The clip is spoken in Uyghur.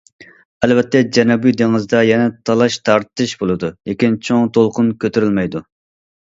ئەلۋەتتە جەنۇبىي دېڭىزدا يەنە تالاش تارتىش بولىدۇ، لېكىن چوڭ دولقۇن كۆتۈرۈلمەيدۇ.